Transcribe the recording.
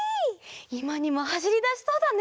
いまにもはしりだしそうだね！